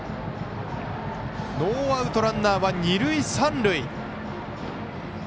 ノーアウト、ランナーは二塁三塁。